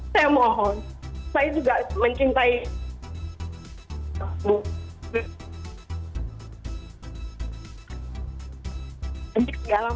saya mohon saya juga mencintai kamu